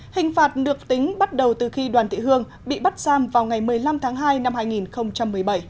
hình phạt được tính bắt đầu từ khi đoàn thị hương bị bắt giam vào ngày một mươi năm tháng hai năm hai nghìn một mươi bảy